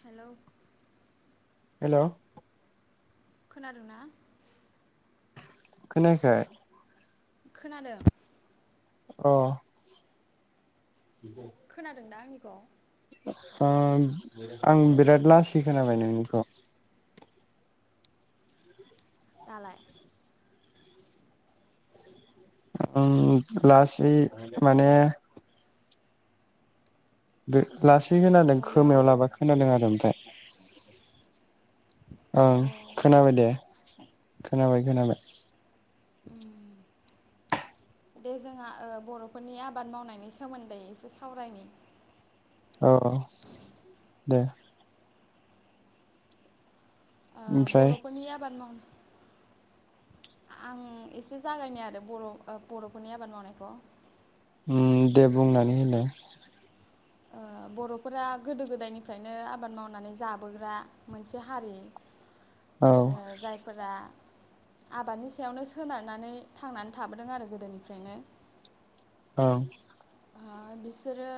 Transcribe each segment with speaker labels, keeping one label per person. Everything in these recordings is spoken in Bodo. Speaker 1: हेल
Speaker 2: हेल
Speaker 1: खोनादोंना?
Speaker 2: खोनायाखै?
Speaker 1: खोनादों।
Speaker 2: अ
Speaker 1: खोनादों दा आं [unintelligible]
Speaker 2: आं बिराद लासै खोनाबाय नोंनिखौ।
Speaker 1: दालाय?
Speaker 2: ओम लासै माने [unintelligible] [unintelligible]
Speaker 1: हेलौ
Speaker 2: खोमायाव लाबा खोनादों आरो ओमफ्राय [inaudible]
Speaker 1: औ
Speaker 2: ओं खोनाबाय दे खोनाबाय खोनाबाय [inaudible]
Speaker 1: दे जोंहा ओ बरफोरनि आबाद मावनायनि सोमोन्दै एसे सावरायनि
Speaker 2: औ दे
Speaker 1: ओ
Speaker 2: ओमफ्राय
Speaker 1: बरफोरनि आबाद माव आं एसे जागायनाय आरो बर बरफोरनि आबाद मावनायखौ
Speaker 2: दे बुंनानै होदो
Speaker 1: ओ बरफोरा गोदो गोदायनिफ्रायनो आबाद मावनानै जाबोग्रा मोनसे हारि।
Speaker 2: औ
Speaker 1: ओ जायफोरा आबादनि सायावनो सोनारनानै थांनानै थाबोदों आरो गोदोनिफ्रायनो।
Speaker 2: औ
Speaker 1: ओ बिसोरो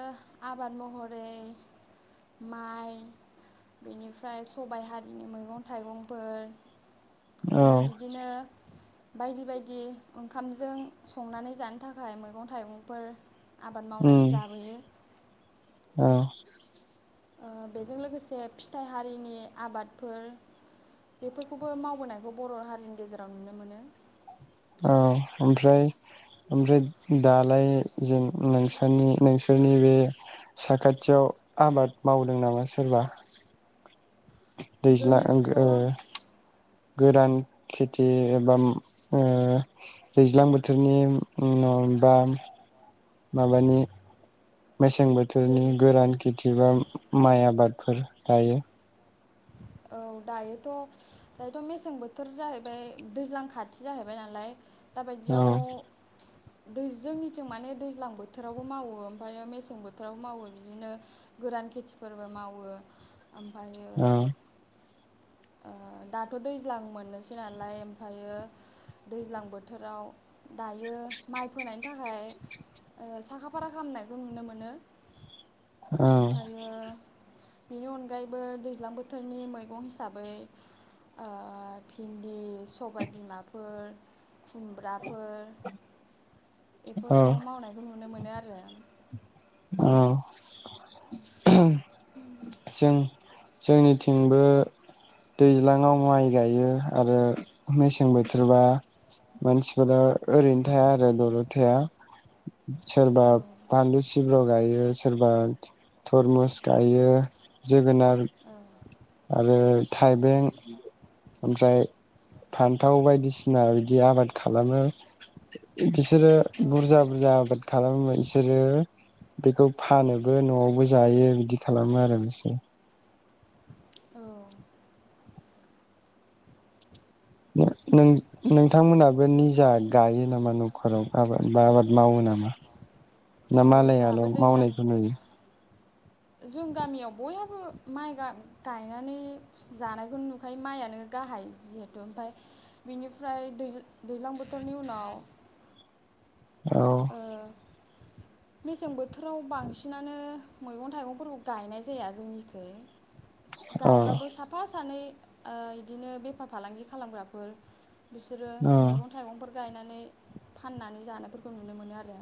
Speaker 1: आबाद महरै माइ बिनिफ्राय सबाइ हारिनि मैगं थाइगंफोर
Speaker 2: औ
Speaker 1: ओमफ्राय बिदिनो बायदि बायदि ओंखामजों संनानै जानो थाखाय मैगं थाइगंफोर आबाद
Speaker 2: उम
Speaker 1: मावनानै जाबोयो।
Speaker 2: [inaudible]
Speaker 1: ओ बेजों लोगोसे फिथाइ हारिनि आबादफोर बेफोरखौबो मावबोनायखौ बर हारिनि गेजेराव नुनो मोनो।
Speaker 2: औ ओमफ्राय ओमफ्राय दालाय जों नोंसोरनि नोंसोरनि बे साखाथियाव आबाद मावदों नामा सोरबा? दैज्लां
Speaker 1: जोंनिथिंथ'
Speaker 2: [unintelligible] गोदान खेथि एबा ओ दैज्लां बोथोरनि उनाव दा माबानि मेसें
Speaker 1: दै
Speaker 2: बोथोरनि गोरान खेथि बा माइ आबाद फोर गायो
Speaker 1: औ दायोथ' दायोथ' मेसें बोथोर जाहैबाय दैज्लां खाथि जाहैबाय नालाय
Speaker 2: औ
Speaker 1: दाबायदियाव दै जोंनिथिं माने दैज्लां बोथोरावबो मावो ओमफ्रायो मेसें बोथोरावबो मावो बिदिनो गोरान खेथिफोरबो मावो ओमफाय
Speaker 2: ओ
Speaker 1: ओ दाथ' दैज्लां मोननोसै नालाय ओमफ्रायो दैज्लां बोथोराव दायो माइ फोनायनि थाखाय ओ साखा फारा खालामनायखौ नुनो मोनो।
Speaker 2: औ
Speaker 1: ओमफायो बेनि अनगायैबो दैज्लां बोथोरनि मैगं हिसा बै ओ भिन्दि, सबाय, बिमाफोर खुमब्राफोर
Speaker 2: औ
Speaker 1: बेफोरखौ मावनायखौ नुनो मोनो आर रो
Speaker 2: औ
Speaker 1: [inaudible]
Speaker 2: जों जोंनिथिंबो दैज्लाङाव माइ गायो आरो मेसें बोथोरबा मानसिफोरा ओरैनो थाया आरो दलद थाया सोरबा
Speaker 1: औ औ
Speaker 2: फानलु सिब्र' गायो सोरबा थरमुस गायो जोगो नार आरो थाइबें ओमफ्राय फान्थाव बायदिसिना बिदि आबाद खालामो बिसोरो बुरजा बुरजा आबाद खालामो बिसोरो बेखौ फानोबो न'आवबो जायो बिदि खालामो आरो बिसोरो
Speaker 1: औ
Speaker 2: नो-नों-नोंथांमोनहाबो निजा गायो नामा न'खराव आबाद बा आबाद मावो नामा? ना मालायाल'
Speaker 1: जोंहाबो दैज्लां
Speaker 2: मावनायखौ नुयो
Speaker 1: जों गामियाव बयहाबो माइ गा-गायनानै जानायखौनो नुखायो माइयानो गाहाय जिहेथु ओमफ्राय बिनिफ्राय दै-दैज्लां बोथोरनि उनाव
Speaker 2: औ
Speaker 1: ओ मेसें बोथोराव बांसिनानो मैगं थाइगंफोरखौ गायनाय जाया जोंनिखै
Speaker 2: औ
Speaker 1: गायबाबो साफा सानै ओ इदिनो बेफार फालांगि खालामग्राफोर बिसोरो
Speaker 2: औ
Speaker 1: मैगं थाइगंफोर गायनानै फाननानै जानायफो रखौ नुनो मोनो आरो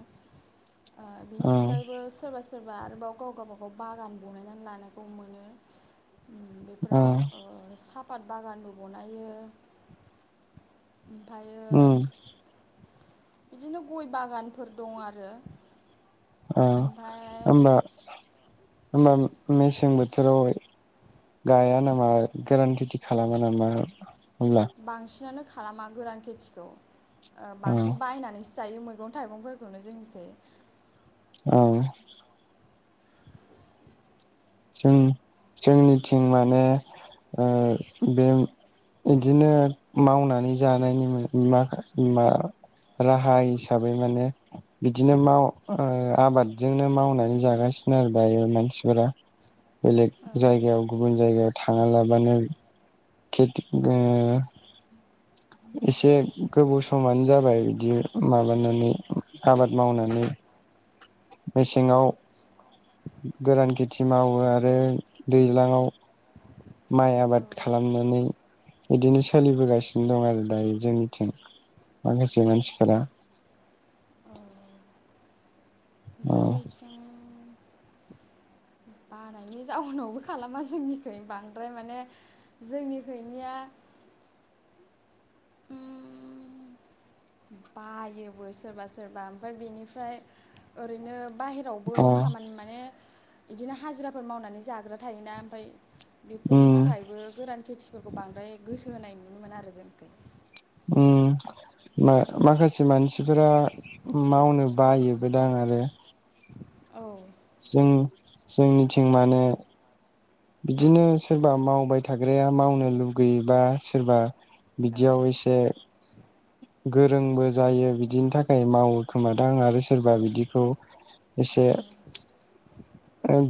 Speaker 1: ओ बिनि
Speaker 2: औ
Speaker 1: अनगायैबो सोरबा सो सोरबा आरोबाव गाव गावबागाव बागान बनायनानै लानायखौ मोनो ओम
Speaker 2: औ
Speaker 1: बेफोराव ओ साफ साफाद बागानबो बनायो ओमफाय
Speaker 2: उम
Speaker 1: बिदिनो गय बागानफोर दं आरो
Speaker 2: औ
Speaker 1: ओमफाय
Speaker 2: होमबा होमबा मेसें बोथोराव हाय गाया नामा गोरान खिथि खालामा नामा होनब्ला?
Speaker 1: बांसिनानो खालामा गोरान खेथिखौ ओ
Speaker 2: औ
Speaker 1: बांसिन बायनानैसो जायो मैगं थाइगंफोरखौनो जोंनिखै
Speaker 2: औ जों जोंनिथिं माने ओ बे इदिनो मावनानै जानायनि मा मा राहा हिसाबै माने बिदिनो माव ओ आबादजोंनो मावनानै जागासिनो आरो दायो मानसिफोरा बेलेग जायगायाव
Speaker 1: ओं
Speaker 2: गुबुन जायगायाव थाङालाबानो खेथि ओ
Speaker 1: औ
Speaker 2: एसे गोबाव समानो जाबाय बिदि माबानानै आबाद मावनानै मेसेङाव गोरान खेथि मावो आरो दैज्लाङाव माइ
Speaker 1: औ
Speaker 2: आबाद खालामनानै इदिनो सोलिबोगासिनो दं आरो दायो जोंनिथिं माखासे मानसिफोरा
Speaker 1: औ
Speaker 2: अ
Speaker 1: जोंनिथिं बानायनि जाउनावबो खालामा जोंनिखै बांद्राय माने जोंनिखैनिया उ म बायोबो सोरबा सोरबा ओमफाय बेनिफ्राय ओरैनो बाहेरायावबो
Speaker 2: अ
Speaker 1: खामानि माने इदिनो हाजिराफोर मावनानै जाग्रा थायोना ओमफाय
Speaker 2: उम
Speaker 1: बेफोरनि थाखायबो गोरान खेथि फोरखौ बांद्राय गोसो होनाय नुनो मोना आरो जोंनिखै
Speaker 2: उम माखासे मानसिफोरा मावनो बायोबोदां आरो
Speaker 1: औ
Speaker 2: जों जोंनिथिं माने बिदिनो सोरबा मावबाय थाग्राया मावनो लुगैयोबा सोरबा बिदियाव एसे गोरोंबो जायो बिदिनि थाखाय मावो खोमादां आरो सोरबा बिदिखौ एसे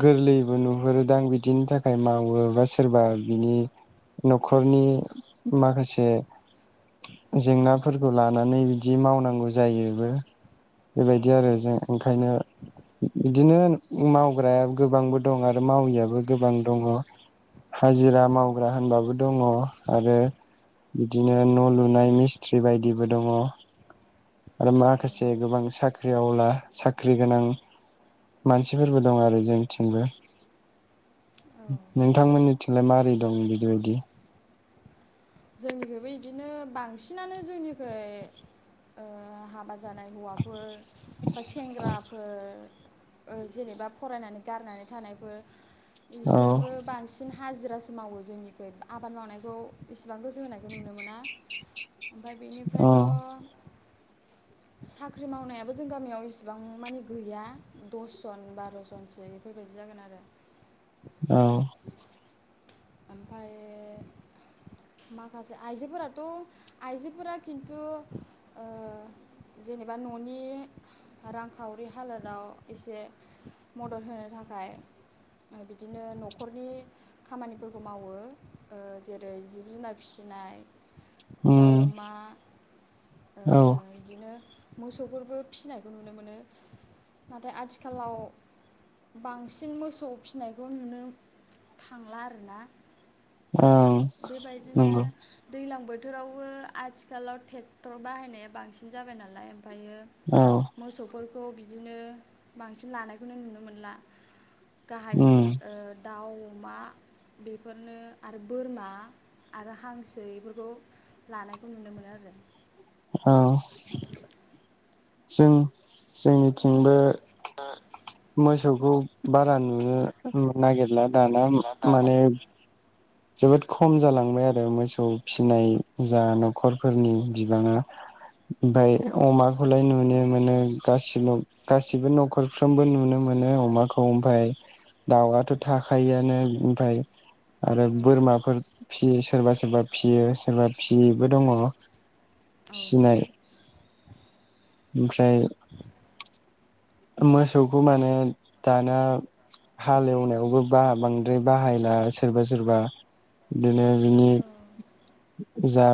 Speaker 2: गोरलैबो नुहरोदां बि दिनि थाखाय मावो बा सोरबा बिनि न'खरनि माखासे जेंनाफोरखौ लानानै बिदि मावनांगौ जायोबो बेबायदि आरो जों ओंखायनो बिदिनो मावग्रा गोबांबो दं आरो मावैयाबो गोबां दङ हाजिरा मावग्रा होनबाबो दङ आरो बिदिनो न' लुनाय मिस्ट्रि बायदिबो दङ आरो
Speaker 1: औ
Speaker 2: माखासे गोबां साख्रिआवला साख्रि गोनां मानसिफोरबो दं आरो जोंथिंबो
Speaker 1: औ
Speaker 2: नोंथांमोननि थिंलाय मा रै दं बिदि बायदि
Speaker 1: जोंनिखैबो इदिनो बांसिनानो जोंनिखै ओ हाबा जानाय हौवाफोर बा सेंग्राफोर ओ जेनेबा फरायनानै गारनानै थानायफोर
Speaker 2: औ
Speaker 1: इसोरबो बांसिन हाजिरासो मावो जोंनिखै आबाद मावनायखौ एसिबां गोसो होनायखौ नुनो मोना ओमफाय
Speaker 2: औ
Speaker 1: बेनिफ्रायथ' साख्रि मावनायाबो जों गामियाव इसिबां मानि गैया दसजन बार'जनसो एफोरबायदि जागोन आरो
Speaker 2: औ
Speaker 1: आमफाय माखासे आइजोफोराथ' आइजोफोरा खिन्थु ओ जेनेबा न'नि रांखावरि हालोदाव एसे मदद होनो थाखाय ओ बिदिनो न'खरनि खामानिफोर खौ मावो ओ जेरै जिब-जुनार फिसिनाय दाउ,
Speaker 2: उम
Speaker 1: अमा ओ
Speaker 2: औ
Speaker 1: इदिनो मोसौफोरबो फिसिनायखौ नुनो मोनो नाथाय आथिखालाव बांसिन मोसौ फिसिनायखौ नुनो थांला आरोना
Speaker 2: ओं
Speaker 1: बेबायदिनो
Speaker 2: नंगौ
Speaker 1: दैलां बो थोरावबो आथिखालाव टेक्टर बाहायनाया बांसिन जाबाय नालाय ओमफायो
Speaker 2: औ
Speaker 1: मोसौफोर खौ बिदिनो बांसिन लानायखौनो नुनो मोनला गाहायै
Speaker 2: उम
Speaker 1: ओ दाउ अमा बेफोरनो आरो बोरमा आरो हांसो एफोरखौ लानायखौ नुनो मोनो आरो
Speaker 2: औ जों जोंनिथिंबो मोसौखौ बारा नुनो नागिरला दाना माने जोबोद खम जालांबाय आरो मोसौ फिसिनाय जा न'खरफोरनि बिबाङा ओमफाय अमाखौलाय नुनो मोनो गासिब गासिबो न'खरफ्रोमबो नुनो मोनो अमाखौ ओमफाय दाउआथ' थाखायोआनो ओमफाय आरो बोरमाफोर फियो सोरबा सोरबा फियो सोरबा फियैबो दङ
Speaker 1: औ
Speaker 2: फिनाय ओमफ्राय मोसौखौ माने दाना हालेवनायावबो बा बांद्राय बाहायला सोरबा सोरबा बिदिनो बिनि
Speaker 1: औ
Speaker 2: जा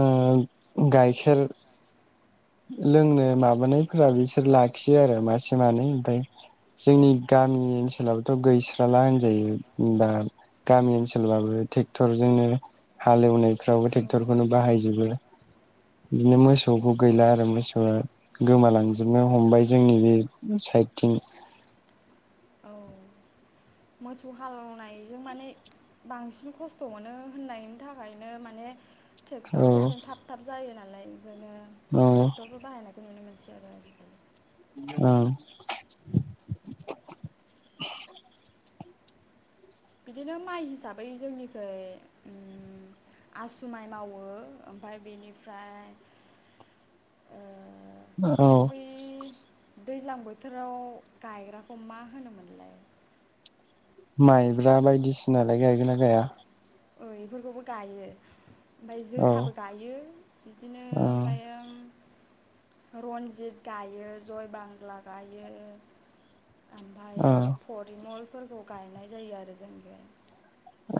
Speaker 2: ओ गाइखेर लोंनो माबानायफोरा बिसोर लाखियो आरो मासे मानै ओमफाय जोंनि गामि ओनसोलाव थ' गैस्राला होनजायो बा गामि ओनसोलबाबो ट्रेक्टरजोंनो हालेवनायफ्रावबो ट्रेक्टरखौनो
Speaker 1: ट्रेक्टरजों
Speaker 2: बाहायजोबो बिदिनो मोसौखौ गैला आरो मोसौआ गोमालांजोबनो हमबाय जोंनि बे साइडथिं
Speaker 1: औ मोसौ हालौनायजों माने बांसिन खस्थ' मोनो होननायनि थाखायनो माने
Speaker 2: औ
Speaker 1: ट्रेक्टरफोरजों थाब थाब जायो नालाय दिनो
Speaker 2: औ
Speaker 1: टेक्ट'रफोर बाहायनाय नुनो मोनसि आरो आजिखालि
Speaker 2: औ [inaudible]
Speaker 1: बिदिनो माइ हिसाबै जोंनिखै ओम आसु माइ मावो ओमफाय बेनिफ्राय ओ
Speaker 2: औ
Speaker 1: बै दैज्लां बोथोराव गायग्राखौ मा होनोमोनलाय
Speaker 2: माइब्रा बायदिसिनालाय गायगोन ना गाया
Speaker 1: ओ इफोरखौबो गायो। ओमफाय
Speaker 2: औ
Speaker 1: जोसाबो गायो बिदिनो
Speaker 2: औ
Speaker 1: ओमफायो रन्जित गायो जय बांला गायो।
Speaker 2: औ
Speaker 1: आमफायो परिमल फोरखौ गायनाय जायो आरो जोंनिखैहाय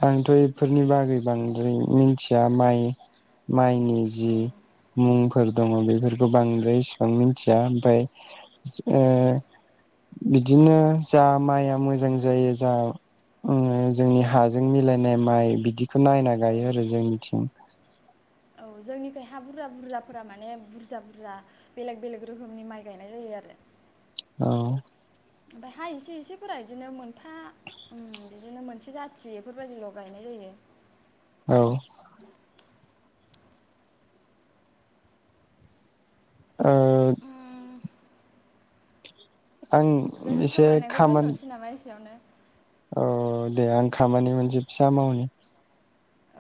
Speaker 2: आंथ' इफोरनि बागै बांद्राय मिनथिया माइ माइनि
Speaker 1: औ
Speaker 2: जि मुं फोर दङ बेफोरबो बांद्राय इसेबां मिन्थिया ओमफाय ओ बिदिनो जा माइआ मोजां जायो जा ओङो जोंनि हा जों मिलायनाय माइ बिदि नायना
Speaker 1: औ
Speaker 2: गायो आरो जोंनिथिं
Speaker 1: औ जोंनिखाय हा बुरजा बुरजाफोरा माने बुरजा बुरजा बेलेग बेलेग रोखोमनि माइ गायनाय जायो आरो
Speaker 2: औ
Speaker 1: ओमफाय हा इसे इसेफोरा इदिनो मोनफा ओम बिदिनो मोनसे जाथि बेफोरबायदिल गायनाय जायो।
Speaker 2: औ ओ
Speaker 1: उम,
Speaker 2: आं
Speaker 1: जोंनि
Speaker 2: एसे
Speaker 1: सावरायनायखौ
Speaker 2: खामानि
Speaker 1: दोन्थनोसै नामा एसेयावनो
Speaker 2: औ दे आं खामानि मोनसे फिसा मावनि।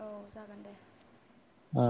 Speaker 1: औ जागोन दे
Speaker 2: आ